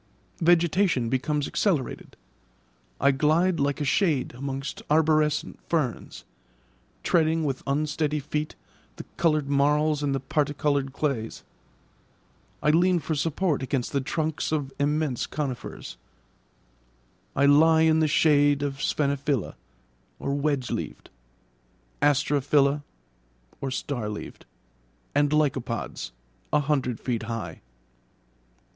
Vegetation becomes accelerated. I glide like a shade amongst arborescent ferns, treading with unsteady feet the coloured marls and the particoloured clays; I lean for support against the trunks of immense conifers; I lie in the shade of sphenophylla (wedge leaved), asterophylla (star leaved), and lycopods, a hundred feet high.